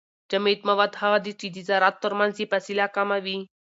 جامد مواد هغه دي چي د زراتو ترمنځ يې فاصله کمه وي.